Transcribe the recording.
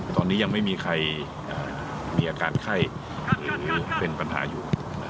ตอนนี้ยังไม่มีใครมีอาการไข้หรือเป็นปัญหาอยู่